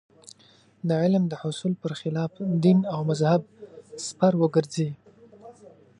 د علم د حصول پر خلاف دین او مذهب سپر وګرځي.